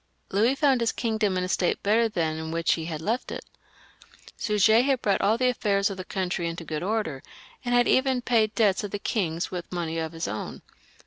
Louis found his kingdom in a state better than that in which he had left it. Suger had brought all the affairs of the country into good order, and had even paid debts of the king's with money of his own.